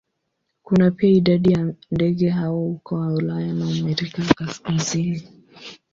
Kuna pia idadi ya ndege hao huko Ulaya na Amerika ya Kaskazini.